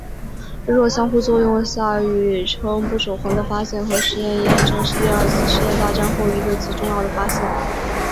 弱相互作用下宇称不守恒的发现和实验验证是第二次世界大战后一个极重要的发现。